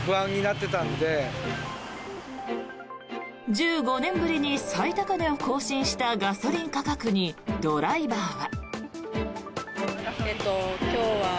１５年ぶりに最高値を更新したガソリン価格にドライバーは。